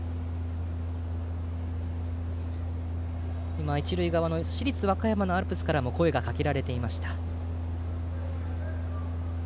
今、一塁側の市立和歌山のアルプスからも声がかけられていました。